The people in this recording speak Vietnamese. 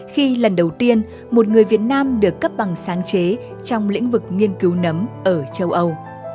khi lần đầu tiên một người việt nam được cấp bằng sáng chế trong lĩnh vực nghiên cứu nấm ở châu âu